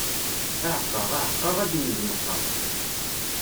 Aɛeqqa, aɛeqqa, ad immed meqqa.